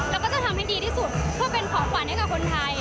แล้วก็จะทำให้ดีที่สุดเพื่อเป็นของขวัญให้กับคนไทย